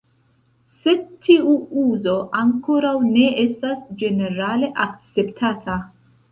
Sed tiu uzo ankoraŭ ne estas ĝenerale akceptata.